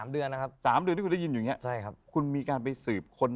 ๓เดือนนะครับ๓เดือนที่คุณได้ยินอย่างนี้คุณมีการไปสืบคน